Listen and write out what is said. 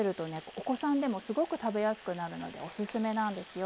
お子さんでもすごく食べやすくなるのでおすすめなんですよ。